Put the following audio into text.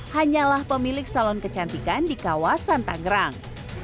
hanyalah pemilik salon kecantikan di kawasan tangerang